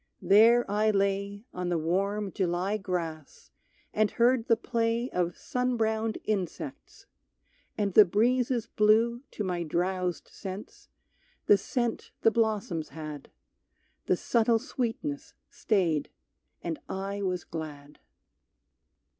There I lay On the warm July grass and heard the play Of sun browned insects, and the breezes blew To my drowsed sense the scent the blossoms had; The subtle sweetness stayed, and I was glad.